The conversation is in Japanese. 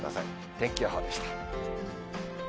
天気予報でした。